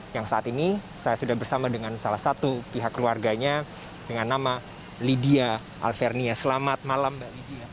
yang saat ini saya sudah bersama dengan salah satu pihak keluarganya dengan nama lydia alvernia selamat malam mbak lydia